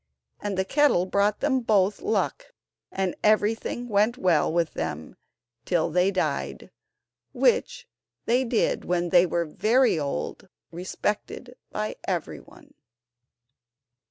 And the kettle brought them both luck, and everything went well with them till they died, which they did when they were very old, respected by everyone.